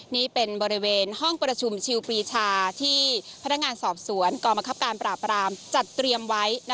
นี้เป็นบริเวณห้องประชุมชิลพิชาที่พงสอบสวนกมกราบการปราบรามจัดเตรียมไว้